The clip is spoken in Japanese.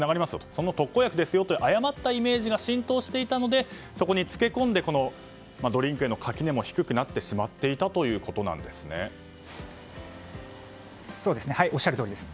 その特効薬ですよという誤ったイメージが浸透していたのでそこに付け込んでドリンクへの垣根も低くなってしまっていたおっしゃるとおりです。